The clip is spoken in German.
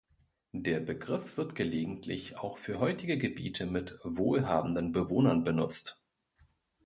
Der Begriff wird gelegentlich auch für heutige Gebiete mit wohlhabenden Bewohnern benutzt.